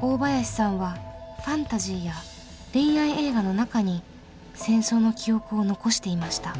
大林さんはファンタジーや恋愛映画の中に戦争の記憶を残していました。